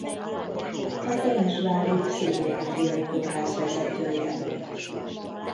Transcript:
A temesvári Pszichiátriai Kórház vezetője volt.